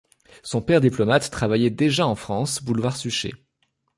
Son père diplomate travaillait déjà en France, boulevard Suchet.